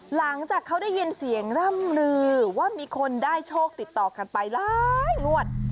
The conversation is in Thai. หลังจากเขาได้ยินเสียงร่ำลือว่ามีคนได้โชคติดต่อกันไปหลายงวด